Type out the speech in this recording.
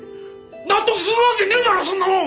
納得するわけねえだろそんなもん！